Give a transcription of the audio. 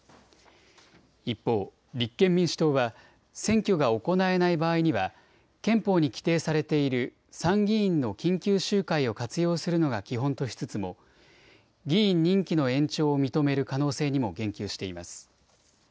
一方、立憲民主党は選挙が行えない場合には、憲法に規定されている参議院の緊急集会を活用するのが基本としつつも、議員任期の延長を認める可能性にも言及しています。